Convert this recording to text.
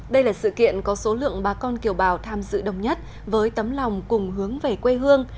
đây là sự kiện có số lượng bà con kiều bào tham dự đồng nhất với tấm lòng cùng hướng về quê hương